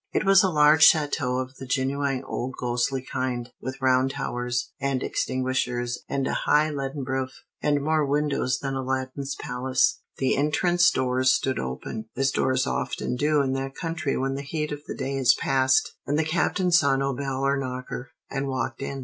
It was a large château of the genuine old ghostly kind, with round towers, and extinguishers, and a high leaden roof, and more windows than Aladdin's palace. The entrance doors stood open, as doors often do in that country when the heat of the day is past; and the Captain saw no bell or knocker, and walked in.